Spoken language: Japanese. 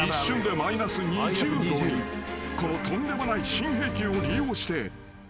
［このとんでもない新兵器を利用して］